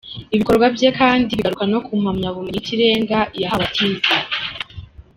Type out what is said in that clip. Ibikorwa bye kandi bigaruka no ku mpamyabumenyi y’ikirenga yahawe atize.